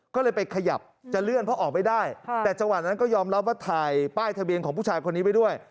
ก็เลยไปขยับจะเลื่อนเพราะออกไม่ได้แต่จังหวะนั้นก็ยอมรับว่าถ่ายป้ายทะเบียนของผู้ชายคนนี้ไว้ด้วย